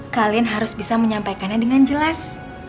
kalian harus bisa menyampaikannya dengan jelas